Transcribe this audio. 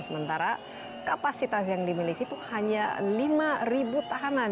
sementara kapasitas yang dimiliki itu hanya lima tahanan